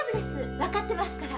わかってますから。